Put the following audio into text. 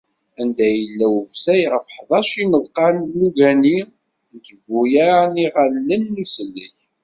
Anda i d-yella ufsay ɣef ḥdac n yimeḍqan n ugani n trebbuyaε n yiɣallen n usellek.